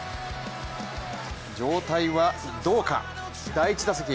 状態はどうか、第１打席。